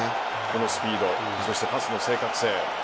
このスピードそしてパスの正確性。